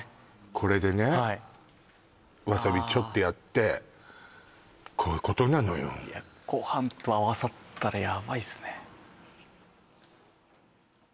これでねはいわさびちょっとやってああこういうことなのよいやご飯と合わさったらヤバいっすね